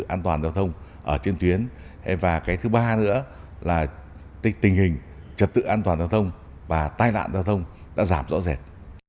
tình hình trật tự an toàn giao thông ở trên tuyến và cái thứ ba nữa là tình hình trật tự an toàn giao thông và tai nạn giao thông đã giảm rõ rệt